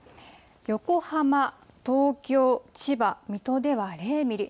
横浜、東京、千葉、水戸では０ミリ。